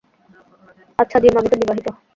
আচ্ছা, জিম, আমি তো বিবাহিত।